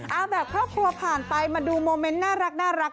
เอาแบบครอบครัวผ่านไปมาดูโมเมนต์น่ารัก